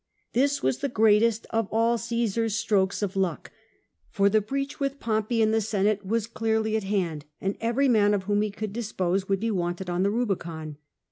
This was the greatest of all Omsar's strokes of luck, for the breach with Pompey and the Senate was clearly at hand, and every man of whom he could dispose would be wanted on the Rubicon.